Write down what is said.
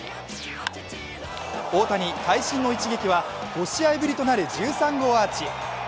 大谷、会心の一撃は５試合ぶりとなる１３号アーチ。